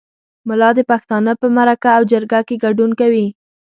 ملا د پښتانه په مرکه او جرګه کې ګډون کوي.